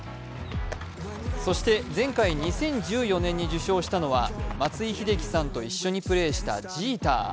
そして前回２０１４年に受賞したのは松井秀喜さんと一緒にプレーしたジーター。